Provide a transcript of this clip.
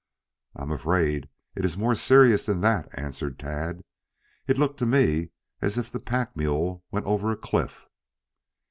"I am afraid it is more serious than that," added Tad. "It looked to me as if the pack mule went over a cliff."